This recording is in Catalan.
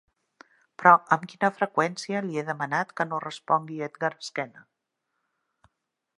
Però amb quina freqüència li he demanat que no respongui Edgar esquena?